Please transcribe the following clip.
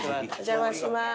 お邪魔します。